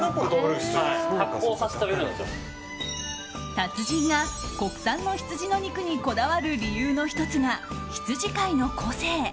達人が国産のヒツジの肉にこだわる理由の１つが羊飼いの個性。